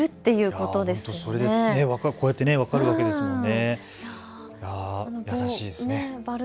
こうやって分かるわけですもんね。